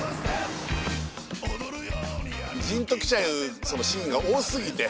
ジーンと来ちゃうシーンが多すぎて。